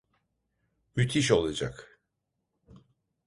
Müthiş olacak.